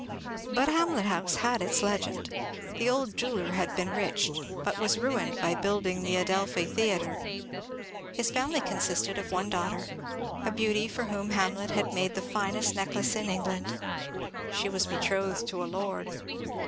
But Hamlet House had its legend. The old jeweller had been rich but was ruined by building the Adelphi Theatre. His family consisted of one daughter, a beauty for whom Hamlet had made the finest necklace in England. She was betrothed to a lord.